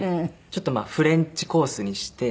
ちょっとフレンチコースにして。